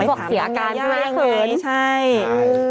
ไปถามตำนานด้วยเกิน